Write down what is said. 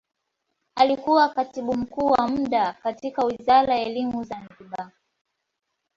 alikuwa katibu mkuu wa muda katika wizara ya elimu zanzibar